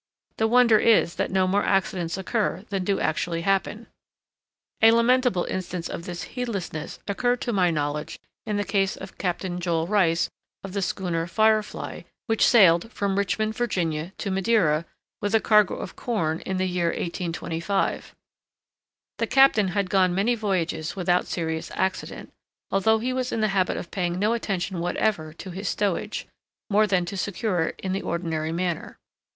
The wonder is that no more accidents occur than do actually happen. A lamentable instance of this heedlessness occurred to my knowledge in the case of Captain Joel Rice of the schooner Firefly, which sailed from Richmond, Virginia, to Madeira, with a cargo of corn, in the year 1825. The captain had gone many voyages without serious accident, although he was in the habit of paying no attention whatever to his stowage, more than to secure it in the ordinary manner.